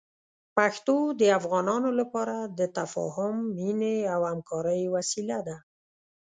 پښتو د افغانانو لپاره د تفاهم، مینې او همکارۍ وسیله ده.